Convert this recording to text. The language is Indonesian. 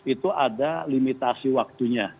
itu ada limitasi waktunya